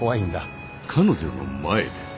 彼女の前で。